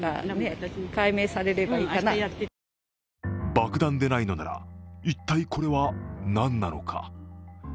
爆弾でないのなら一体これは何なのか？